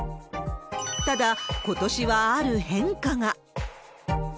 ただ、ことしはある変化が。